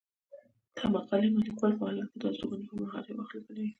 دا مقالې ما ليکوال په هالنډ کې د استوګنې پر مهال يو وخت ليکلي.